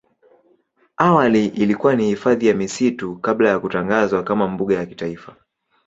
Awali ilikuwa ni hifadhi ya misitu kabla ya kutangazwa kama mbuga ya kitaifa.